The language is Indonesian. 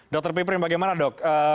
dr piprin bagaimana dok